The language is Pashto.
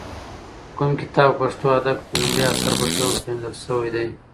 کوم کتاب په پښتو ادب کې د لومړي اثر په توګه پېژندل شوی دی؟